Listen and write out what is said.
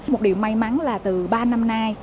một điều may mắn là từ ba năm nay